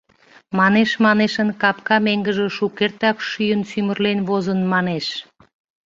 — Манеш-манешын капка меҥгыже шукертак шӱйын сӱмырлен возын, манеш!